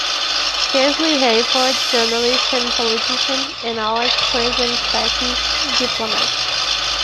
Casely Hayford, journalist and politician; and Alex Quaison-Sackey, diplomat.